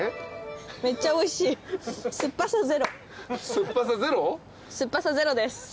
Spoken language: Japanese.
酸っぱさゼロです。